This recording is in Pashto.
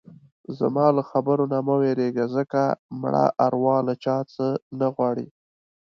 زما له خبرو نه مه وېرېږه ځکه مړه اروا له چا څه نه غواړي.